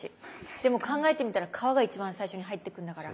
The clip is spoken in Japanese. でも考えてみたら皮が一番最初に入ってくるんだから。